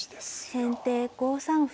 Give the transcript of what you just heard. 先手５三歩。